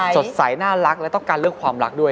สดใสน่ารักและต้องการเลือกความรักด้วย